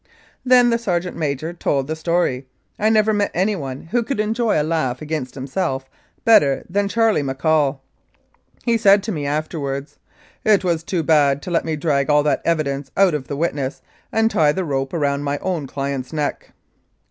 Then the sergeant major told the story. I never met anyone who could enjoy a laugh against himself better than Charley McCaul. He said to me afterwards : "It was too bad to let me drag all that evidence out of the witness and tie the rope round my own client's neck